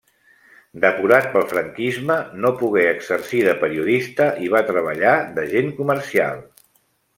Depurat pel franquisme, no pogué exercir de periodista i va treballar d'agent comercial.